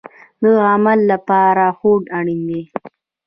د عمل لپاره هوډ اړین دی